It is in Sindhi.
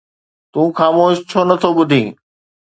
تون خاموش ڇو نه ٿو ٻڌين؟